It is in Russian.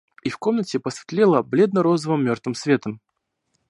И в комнате посветлело бледно-розовым мертвым светом.